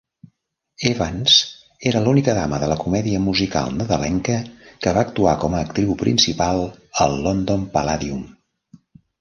Evans era la única dama de la comèdia musical nadalenca que va actuar com a actriu principal al London Palladium.